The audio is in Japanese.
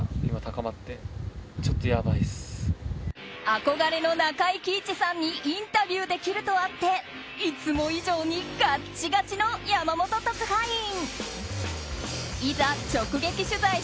憧れの中井貴一さんにインタビューできるとあっていつも以上にガチガチの山本特派員。